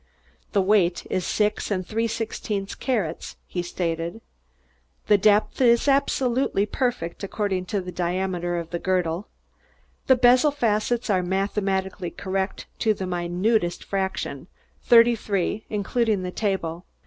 "The weight is six and three sixteenths carats," he stated. "The depth is absolutely perfect according to the diameter of the girdle. The bezel facets are mathematically correct to the minutest fraction thirty three, including the table.